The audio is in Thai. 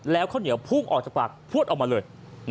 แล้วข้าวเหนียวพุ่งออกจากปากพวดออกมาเลย